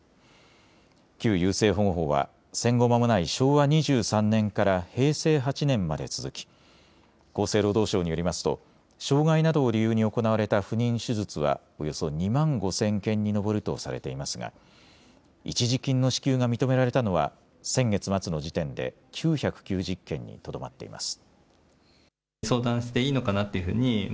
旧優生保護法は戦後まもない昭和２３年から平成８年まで続き厚生労働省によりますと障害などを理由に行われた不妊手術はおよそ２万５０００件に上るとされていますが一時金の支給が認められたのは先月末の時点で９９０件にとどまっています。